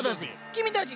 君たち！